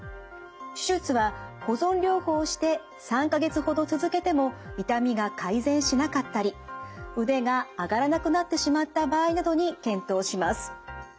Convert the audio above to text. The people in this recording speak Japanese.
手術は保存療法をして３か月ほど続けても痛みが改善しなかったり腕が上がらなくなってしまった場合などに検討します。